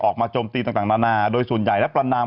โจมตีต่างนานาโดยส่วนใหญ่และประนาม